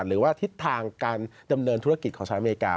หรือว่าทิศทางการดำเนินธุรกิจของสหรัฐอเมริกา